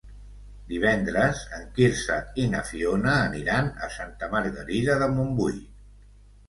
Divendres en Quirze i na Fiona aniran a Santa Margarida de Montbui.